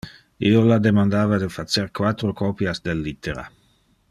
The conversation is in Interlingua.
Io la demandava de facer quatro copias del littera.